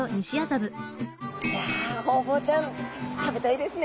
いやホウボウちゃん食べたいですね。